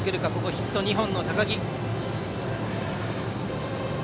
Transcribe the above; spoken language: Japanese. ヒット２本の高木。